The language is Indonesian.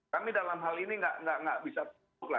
kami dalam hal ini gak bisa tunduk lah